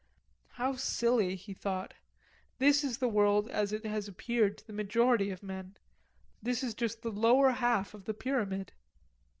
"How silly," he thought; "this is the world as it has appeared to the majority of men, this is just the lower half of the pyramid."